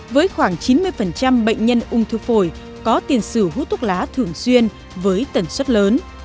với khoảng chín mươi bệnh nhân ung thư phổi có tiền sử hút thuốc lá thường xuyên với tần suất lớn